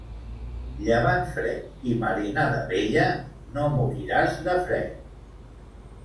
Llevant fred i marinada vella, no moriràs de fred.